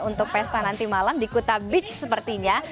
untuk pesta nanti malam di kuta beach sepertinya